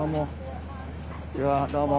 どうも。